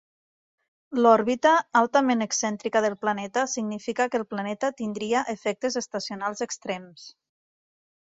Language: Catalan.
L'òrbita altament excèntrica del planeta significa que el planeta tindria efectes estacionals extrems.